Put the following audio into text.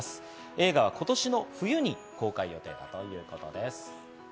映画は今年の冬に公開予定だということです。